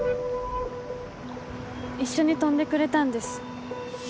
一緒に飛んでくれたんです。